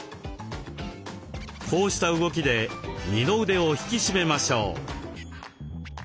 こうした動きで二の腕を引き締めましょう。